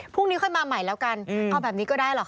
พรุ่งนี้ค่อยมาใหม่แล้วกันเอาแบบนี้ก็ได้หรอค